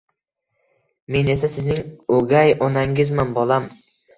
Men esa sizning o'gay onangizman, bolam.